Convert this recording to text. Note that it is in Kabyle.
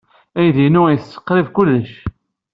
Aydi-inu yettett qrib kullec.